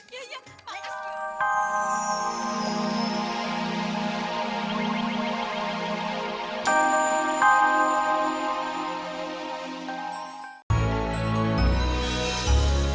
ya ya makasih